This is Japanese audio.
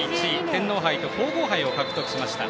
天皇杯と皇后杯を獲得しました。